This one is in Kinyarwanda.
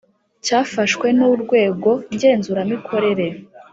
cyafashwe n Urwego Ngenzuramikorere